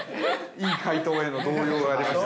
いい解答への動揺がありました。